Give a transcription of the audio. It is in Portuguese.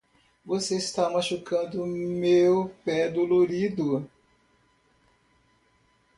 Você está machucando meu pé dolorido.